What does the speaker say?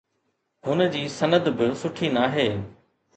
هن جي سند به سٺي ناهي.